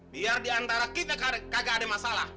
biar diantara kita kagak ada masalah